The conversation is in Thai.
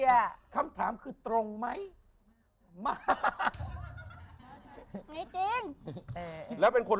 นี่คือแฟนของคุณอยู่ในกรรมมากี่ปีแล้วนี่